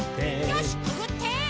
よしくぐって！